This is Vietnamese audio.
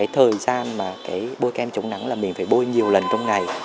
thời gian bôi kem chống nắng là mình phải bôi nhiều lần trong ngày